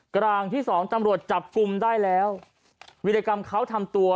กลางที่สองตำรวจจับกลุ่มได้แล้ววิรกรรมเขาทำตัว